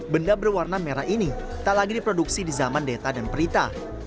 benda berwarna merah ini tak lagi diproduksi di zaman deta dan prita